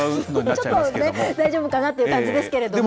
ちょっとね、大丈夫かなっていう感じですけれども。